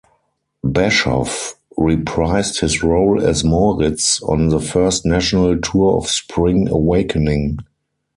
Bashoff reprised his role as Moritz on the first National Tour of Spring Awakening.